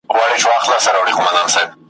انتظار مي اخري سو، د هجران غم ناسوري سو